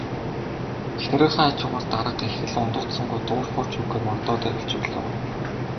Эхнэрийнхээ хажуугаар дарга их л ундууцангуй дуу шуу ч үгүй мордоод арилж өглөө.